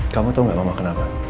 kamu tau gak mau kenapa